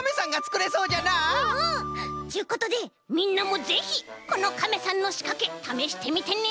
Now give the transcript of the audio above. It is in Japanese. ちゅうことでみんなもぜひこのカメさんのしかけためしてみてね。